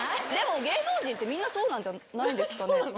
でも芸能人ってみんなそうなんじゃないんですかね？